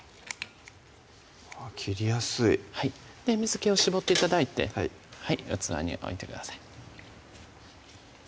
切りやすい水気を絞って頂いて器に置いてください